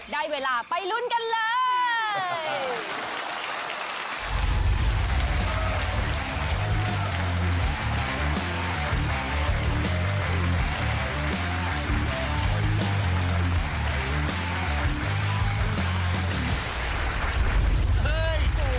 ได้เวลาไปลุ้นกันเลย